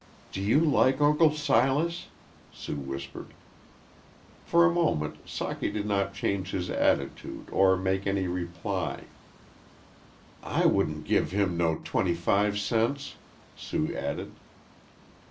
"Do you like Uncle Silas?" Sue whispered. For a moment Socky did not change his attitude or make any reply. "I wouldn't give him no twenty five cents," Sue added.